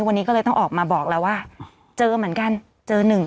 วันนี้ก็เลยต้องออกมาบอกแล้วว่าเจอเหมือนกันเจอหนึ่ง